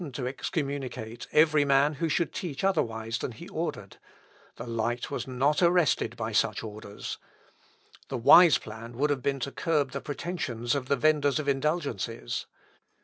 In vain had the pope threatened to excommunicate every man who should teach otherwise than he ordered; the light was not arrested by such orders. The wise plan would have been to curb the pretensions of the venders of indulgences.